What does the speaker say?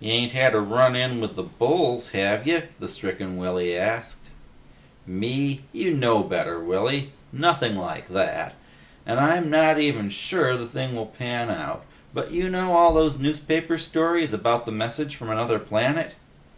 "Ya ain't had a run in with the bulls, have ya?" the stricken Willy asked. "Me? You know me better, Willy. Nothing like that. And I'm not even sure the thing will pan out, but you know all those newspaper stories about messages from another planet?"